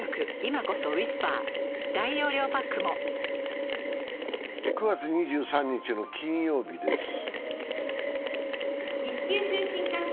ヤマト運輸９月２３日の金曜日です。